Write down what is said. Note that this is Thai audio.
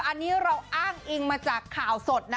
อันนี้เราอ้างอิงมาจากข่าวสดนะ